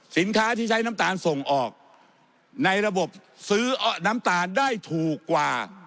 สินค้าที่ใช้น้ำตาลส่งออกในระบบซื้อน้ำตาลได้ถูกกว่า